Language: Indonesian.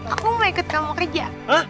aku mau ikut kamu kerja